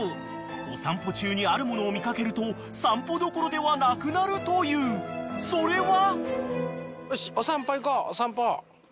［お散歩中にあるものを見掛けると散歩どころではなくなるというそれは？］